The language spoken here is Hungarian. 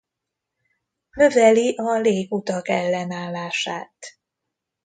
Növeli a légutak ellenállását.